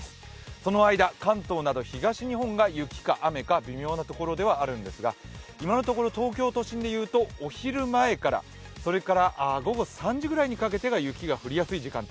その間、関東など東日本が雪か雨か微妙なところではあるんですが、今のところ東京都心でいうとお昼前から、それから午後３時ぐらいにかけては雪が降りやすい時間帯。